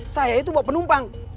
saya itu bawa penumpang